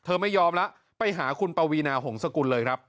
ไม่ยอมแล้วไปหาคุณปวีนาหงษกุลเลยครับ